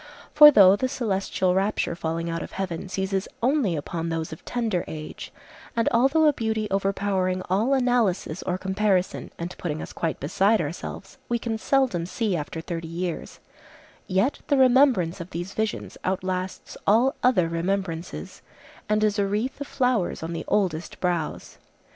For though the celestial rapture falling out of heaven seizes only upon those of tender age, and although a beauty overpowering all analysis or comparison and putting us quite beside ourselves we can seldom see after thirty years, yet the remembrance of these visions outlasts all other remembrances, and is a wreath of flowers on the oldest brows.